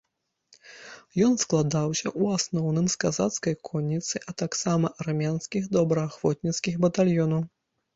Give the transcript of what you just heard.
Ён складаўся ў асноўным з казацкай конніцы, а таксама армянскіх добраахвотніцкіх батальёнаў.